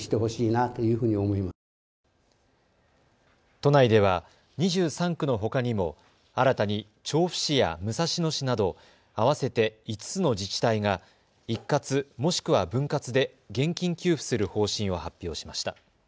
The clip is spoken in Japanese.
都内では２３区のほかにも新たに調布市や武蔵野市など合わせて５つの自治体が一括、もしくは分割で現金給付する方針を発表しました。